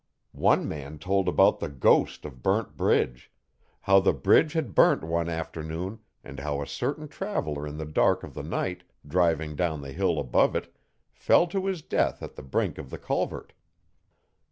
One man told about the ghost of Burnt Bridge; how the bridge had burnt one afternoon and how a certain traveller in the dark of the night driving down the hill above it, fell to his death at the brink of the culvert.